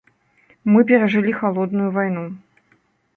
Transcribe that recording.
Мы перажылі халодную вайну.